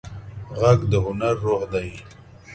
غږ د هنر روح دی